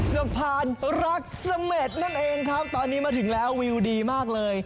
สะพานรักเสม็ดนั่นเองครับตอนนี้มาถึงแล้ววิวดีมากเลย